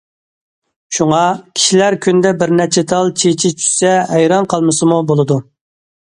شۇڭا، كىشىلەر كۈندە بىر نەچچە تال چېچى چۈشسە ھەيران قالمىسىمۇ بولىدۇ.